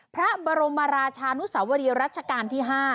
พระบรมราชานุสวรีรัชกาลที่๕